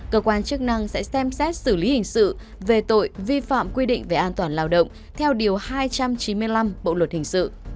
cơ quan chức năng sẽ xem xét xử lý hình sự về tội vi phạm quy định về an toàn lao động theo điều hai trăm chín mươi năm bộ luật hình sự